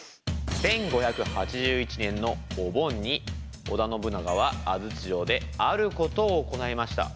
１５８１年のお盆に織田信長は安土城であることを行いました。